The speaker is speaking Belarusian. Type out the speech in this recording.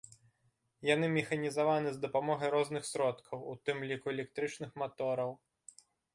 Яны механізаваны з дапамогай розных сродкаў, у тым ліку электрычных матораў.